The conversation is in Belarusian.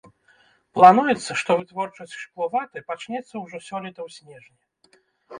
Плануецца, што вытворчасць шкловаты пачнецца ўжо сёлета ў снежні.